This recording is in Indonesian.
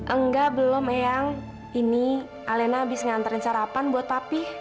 enggak belum eyang ini alena habis nganterin sarapan buat papi